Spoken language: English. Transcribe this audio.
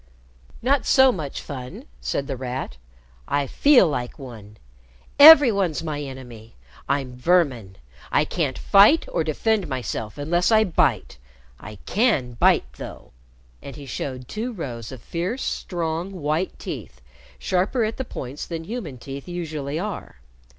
"Not so much fun," said The Rat. "I feel like one. Every one's my enemy. I'm vermin. I can't fight or defend myself unless I bite. I can bite, though." And he showed two rows of fierce, strong, white teeth, sharper at the points than human teeth usually are.